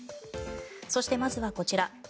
そして、まずはこちら。